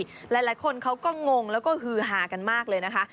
หลายคนเขาก็งงแล้วก็ฮือฮากันมากเลยนะคะ